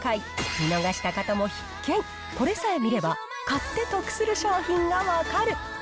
見逃した方も必見、これさえ見れば、買って得する商品が分かる。